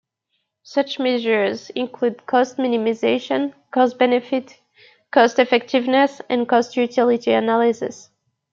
Such measures include cost-minimization, cost-benefit, cost-effectiveness, and cost-utility analysis.